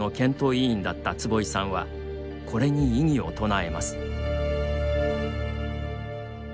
委員だった坪井さんはこれに異議を唱えます。